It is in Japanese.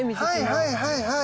はいはいはいはい。